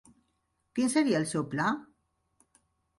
Quin seria el seu pla?